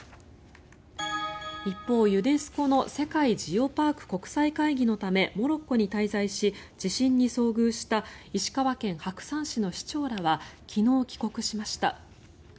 一方、ユネスコの世界ジオパーク国際会議のためモロッコに滞在し地震に遭遇した石川県白山市の市長らは昨日、帰国しました。